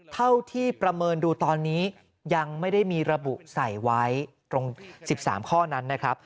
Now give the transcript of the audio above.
เท่าที่ประเมินดูตอนนี้ยังไม่ได้มีระบุใส่ไว้ตรง๑๓ข้อนั้นนะครับ